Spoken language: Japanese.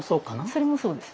それもそうです。